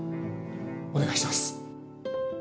お願いします！